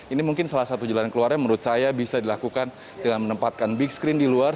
ini mungkin salah satu jalan keluarnya menurut saya bisa dilakukan dengan menempatkan big screen di luar